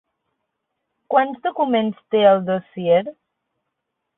Quants documents té el dossier?